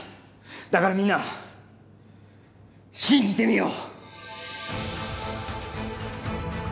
だからみんな、信じてみよう！